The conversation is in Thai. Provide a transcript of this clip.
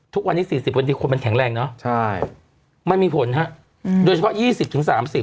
ทุกวันนี้๔๐บางทีคนมันแข็งแรงเนอะใช่มันมีผลนะครับโดยเฉพาะ๒๐๓๐กว่า